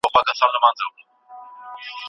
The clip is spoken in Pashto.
د اولادونو زيږولو مهالويش.